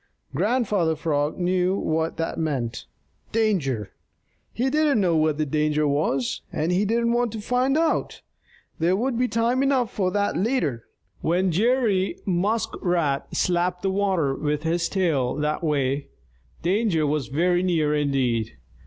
Grandfather Frog knew what that meant danger! He didn't know what the danger was, and he didn't wait to find out. There would be time enough for that later. When Jerry Muskrat slapped the water with his tail that way, danger was very near indeed.